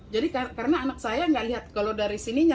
jadi karena anak saya nggak lihat kalau dari sininya